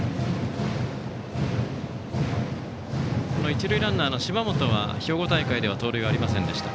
一塁ランナーの芝本は兵庫大会では盗塁はありませんでした。